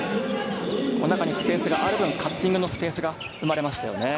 中にスペースがある分、カッティングのスペースが生まれましたね。